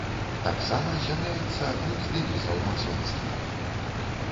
Таксама з'яўляецца адным з дэвізаў масонства.